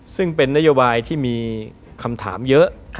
ซึ่งเป็นนโยบายที่มีคำถามเยอะ